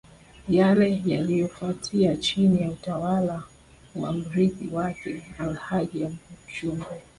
Yale yaliyofuatia chini ya utawala wa mrithi wake Alhaji Aboud Jumbe